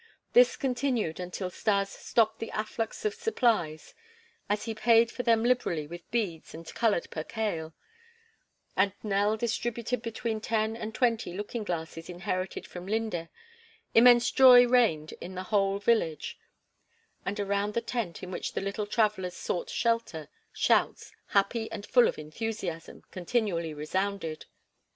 This continued until Stas stopped the afflux of supplies; as he paid for them liberally with beads and colored percale, and Nell distributed between ten and twenty looking glasses inherited from Linde, immense joy reigned in the whole village; and around the tent, in which the little travelers sought shelter, shouts, happy and full of enthusiasm, continually resounded.